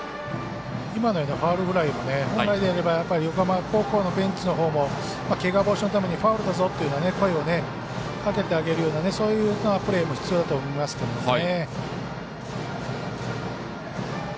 今のようなファウルフライは本来であれば横浜高校のベンチのほうもけが防止のためにファウルだぞっていうような声をかけてあげるようなそういうプレーも必要だと思いますけどね。